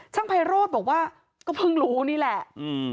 ไพโรธบอกว่าก็เพิ่งรู้นี่แหละ